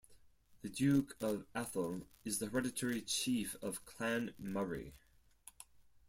The Duke of Atholl is the hereditary chief of Clan Murray.